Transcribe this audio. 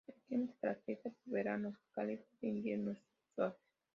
El clima se caracteriza por veranos cálidos e inviernos suaves.